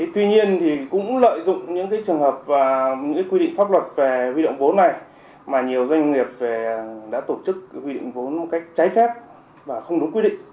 tuy nhiên cũng lợi dụng những trường hợp những quy định pháp luật về huy động vốn này mà nhiều doanh nghiệp đã tổ chức quy định vốn một cách trái phép và không đúng quy định